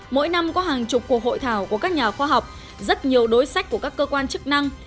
mỗi năm có hàng chục cuộc hội thảo của các nhà khoa học rất nhiều đối sách của các cơ quan chức năng